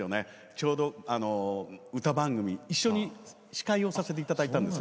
ちょうど歌番組一緒に司会をさせていただいたんです。